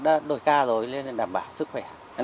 đã đổi ca rồi nên đảm bảo sức khỏe